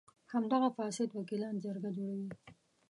همدغه فاسد وکیلان جرګه جوړوي.